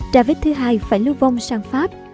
david ii phải lưu vong sang pháp